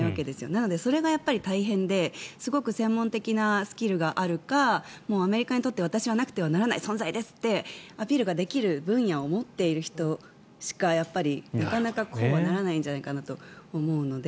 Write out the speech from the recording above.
なので、それがやっぱり大変ですごく専門的なスキルがあるかアメリカにとって私はなくてはならない存在ですってアピールができる分野を持っている人しかなかなかこうはならないんじゃないかなと思うので。